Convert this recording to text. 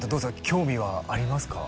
興味はありますか？